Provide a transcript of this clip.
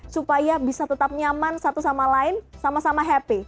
supaya bisa tetap nyaman satu sama lain sama sama happy